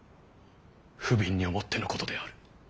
不憫に思ってのことである。